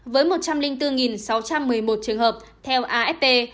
với một trăm linh bốn sáu trăm một mươi một trường hợp theo afp